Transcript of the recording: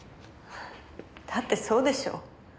だってそうでしょう？